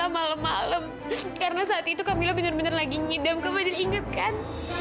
malam malam karena saat itu kamu bener bener lagi ngidam kamu ingetkan